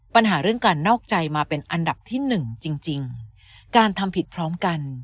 ปัญหาเรื่องการนอกใจมาเป็นอันดับที่หนึ่งจริงจริงการทำผิดพร้อมกัน